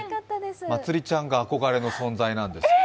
まつりちゃんが憧れの存在なんですって。